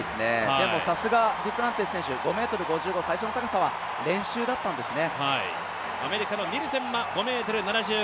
でもさすが、デュプランティス選手５ｍ５５、最初の高さは練習だったんですね。